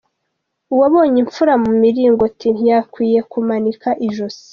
Uwabonye imfura mu miringoti ntiyakwiye kumanika ijosi.